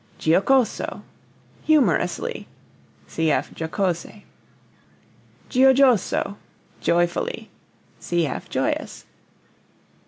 Giocoso humorously, (cf. jocose). Giojoso joyfully, (cf. joyous).